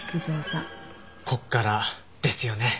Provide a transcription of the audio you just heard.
こっからですよね。